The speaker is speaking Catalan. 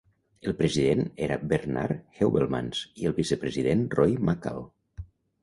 El president era Bernard Heuvelmans i el vicepresident, Roy Mackal.